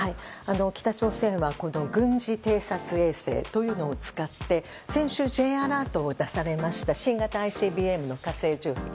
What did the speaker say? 北朝鮮は軍事偵察衛星というのを使って先週、Ｊアラートを出されました新型ＩＣＢＭの「火星１８」。